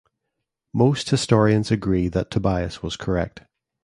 Most historians agree that Tobias was correct.